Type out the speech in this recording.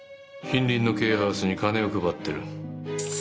近隣のケアハウスに金を配ってる。